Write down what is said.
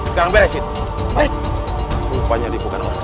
menang menang dengan dobr copycat d refers